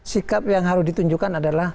sikap yang harus ditunjukkan adalah